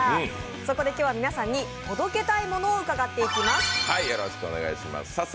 そこで、今日は皆さんに届けたい物を伺っていきます。